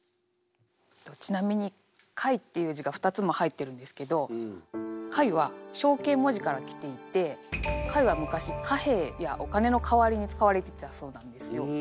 ちなみに「貝」っていう字が２つも入ってるんですけど貝は象形文字から来ていて貝は昔貨幣やお金の代わりに使われていたそうなんですよ。